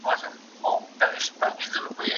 او راتلونکی مو روښانه شه.